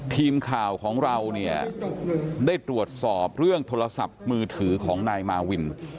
ทีมข่าวของเราเนี่ยได้ตรวจสอบเรื่องโทรศัพท์มือถือของนายมาวิน